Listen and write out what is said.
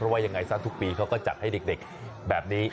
เวลาที่ทุกปีเค้าก็จัดให้เด็กแบบนี้